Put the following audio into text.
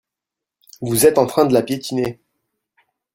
Vous êtes en train de la piétiner.